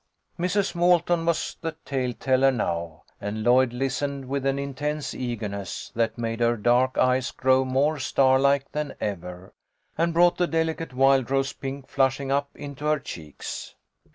Mrs. Walton was the tale teller now, and Lloyd listened with an intense eagerness that made her dark eyes grow more starlike than ever, and brought the delicate wild rose pink flushing up into her cheeks.